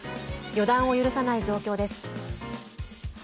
予断を許さない状況です。